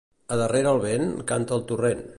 A darrere el vent, canta el torrent.